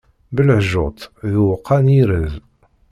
Belɛejjuṭ d uɛeqqa n yired.